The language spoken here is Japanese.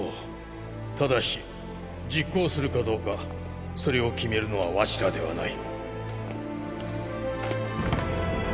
ただし実行するかどうかそれを決めるのはワシらではない。